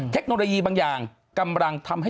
เทคโนโลยีบางอย่างกำลังทำให้